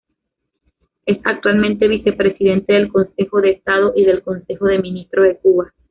Es actualmente Vicepresidente del Consejo de Estado y del Consejo de Ministros de Cuba.